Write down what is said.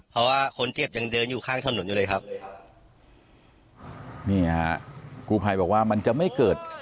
เพราะว่าคนเจ็บยังเดินอยู่ข้างถนนอยู่เลยครับนี่ฮะกูภัยบอกว่ามันจะไม่เกิด